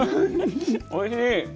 おいしい。